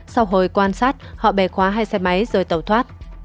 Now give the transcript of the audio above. sau hồi quan sát họ bẻ khóa hai xe máy rồi tẩu thoát